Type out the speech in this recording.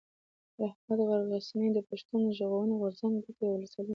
رحمت غرڅنی د پښتون ژغورني غورځنګ د کوټي اولسوالۍ مشر دی.